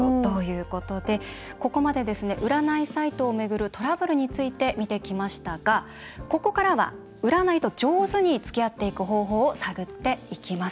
ここまで占いサイトを巡るトラブルについて見てきましたがここからは占いと上手につきあっていく方法を探っていきます。